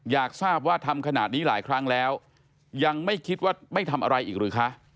อยากทราบว่าทำขนาดนี้หลายครั้งแล้วยังไม่คิดว่าไม่ทำอะไรอีกหรือคะ